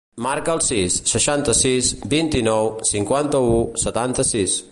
Marca el sis, seixanta-sis, vint-i-nou, cinquanta-u, setanta-sis.